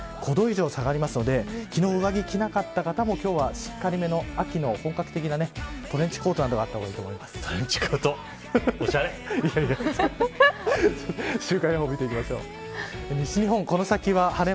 ５度以上下がるので昨日、上着を着なかった方も今日はしっかりめの秋の本格的なトレンチコートがあった方がトレンチコート、おしゃれ。